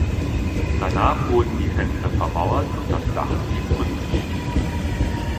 Danach wurden die Fenster vermauert und das Dach blieb undicht.